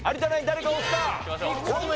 誰か押すか？